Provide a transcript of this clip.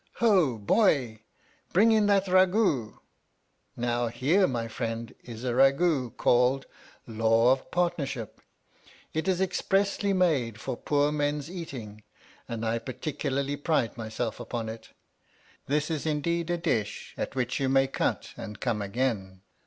Ho, boy, bring in that ragout ! Now here, my friend, is a ragout, called Law of Partnership. It is expressly made for poor men's eating, and I particularly pride myself upon it. This is indeed a dish at which you may cut and come again.